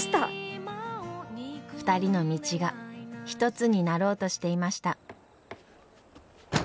２人の道が一つになろうとしていました。